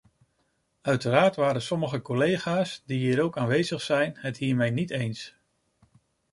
Uiteraard waren sommige collega’s, die hier ook aanwezig zijn, het hiermee niet eens.